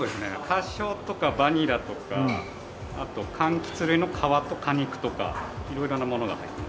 花椒とかバニラとかあとかんきつ類の皮と果肉とか色々なものが入ってますね。